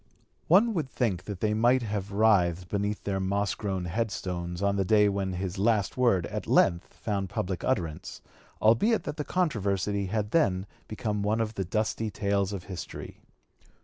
One would think (p. 219) that they might have writhed beneath their moss grown headstones on the day when his last word at length found public utterance, albeit that the controversy had then become one of the dusty tales of history.